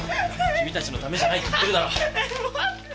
君たちのためじゃないって言ってるだろ。